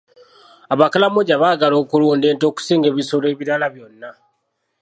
Abakalamojja baagala okulunda nte okusinga ebisolo ebirala byonna.